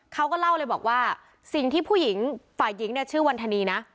เขาก็เล่าเลยบอกว่าสิ่งที่ผู้หญิงฝ่ายหญิงเนี่ยชื่อวันธนีนะ